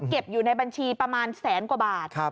อยู่ในบัญชีประมาณแสนกว่าบาท